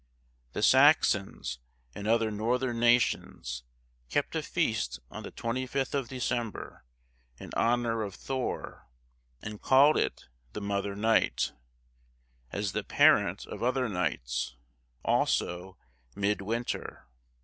The Saxons, and other northern nations, kept a feast on the 25th of December, in honour of Thor, and called it the Mother Night, as the parent of other nights; also Mid Winter.